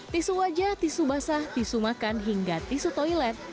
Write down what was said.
tisu wajah tisu basah tisu makan hingga tisu toilet